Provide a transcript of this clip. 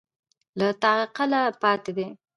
له تعقله پاتې دي